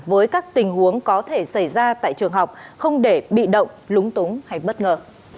với các tình huống có thể xảy ra tại trường học không để bị động lúng túng hay bất ngờ